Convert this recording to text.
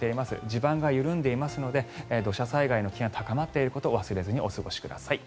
地盤が緩んでいますので土砂災害の危険が高まっていることを忘れずにお過ごしください。